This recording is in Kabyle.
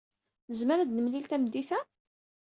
Nezmer ad nemlil tameddit-a?